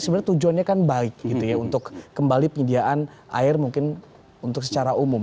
sebenarnya tujuannya kan baik gitu ya untuk kembali penyediaan air mungkin untuk secara umum